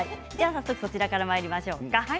早速こちらからまいりましょうか。